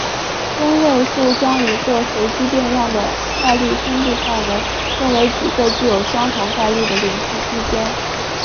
分位数将一个随机变量的概率分布范围分为几个具有相同概率的连续区间。